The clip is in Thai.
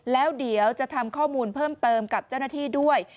แล้วเดี๋ยวจะทำข้อมูลเพิ่มเติมกับเจ้าหน้าที่ด้วย